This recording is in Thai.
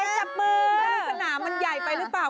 จับมือทุกคนรู้สึกสนามมันใหญ่ไปหรือเปล่า